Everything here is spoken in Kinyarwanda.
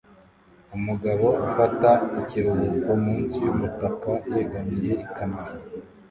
Umugabo ufata ikiruhuko munsi yumutaka yegamiye ikamyo